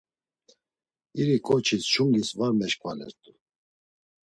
İri ǩoçis çungis var meşǩvalert̆u.